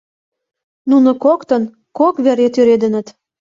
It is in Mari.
...Нуно коктын кок вере тӱредыныт.